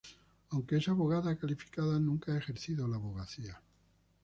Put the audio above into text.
Aunque es abogada calificada, nunca ha ejercido la abogacía.